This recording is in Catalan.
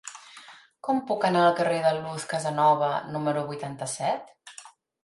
Com puc anar al carrer de Luz Casanova número vuitanta-set?